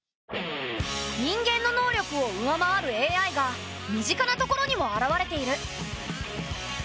人間の能力を上回るＡＩが身近なところにも現れている。